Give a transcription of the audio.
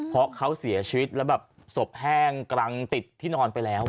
เพราะเขาเสียชีวิตแล้วแบบศพแห้งกลางติดที่นอนไปแล้ว